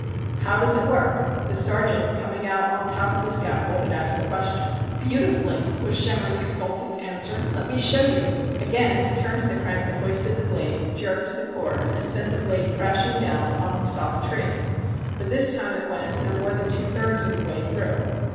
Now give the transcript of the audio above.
"How does it work?" The sergeant, com ing out on top the scaffold, had asked the ques tion. "Beautifully," was Schemmer's exultant answer. "Let me show you." Again he turned the crank that hoisted the blade, jerked the cord, and sent the blade crash ing down on the soft tree. But this time it went no more than two thirds of the way through.